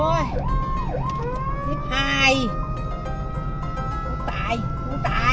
ผู้ชีพเราบอกให้สุจรรย์ว่า๒